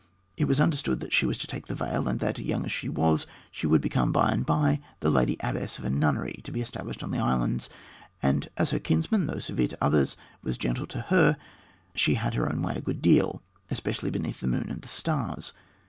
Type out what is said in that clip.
It was understood that she was to take the veil, and that, young as she was, she would become, by and by, the lady abbess of a nunnery to be established on the islands; and as her kinsman, though severe to others, was gentle to her, she had her own way a good deal especially beneath the moon and the stars.